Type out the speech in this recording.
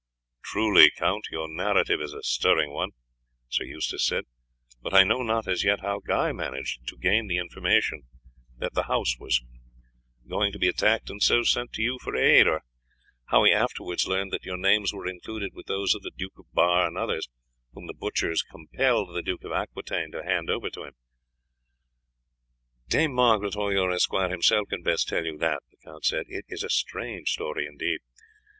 "Truly, Count, your narrative is a stirring one," Sir Eustace said; "but I know not as yet how Guy managed to gain the information that the house was going to be attacked and so sent to you for aid, or how he afterwards learned that your names were included with those of the Duke of Bar and others whom the butchers compelled the Duke of Aquitaine to hand over to them." "Dame Margaret or your esquire himself can best tell you that," the count said. "It is a strange story indeed."